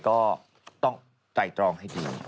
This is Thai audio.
ก็ต้องไตรตรองให้ดี